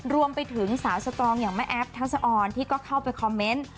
รวมไปถึงสาวสตรองอย่างแม่แอฟทัศออนที่ก็เข้าไปคอมเมนต์